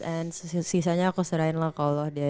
dan sisanya aku serahin lah kalo dia